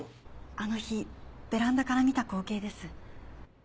あの日ベランダから見た光景です。